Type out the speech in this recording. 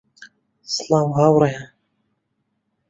سڵاو هاوڕێیان